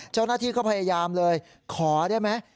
เจ้าหน้าที่ก็พยายามเลยขอได้ไหม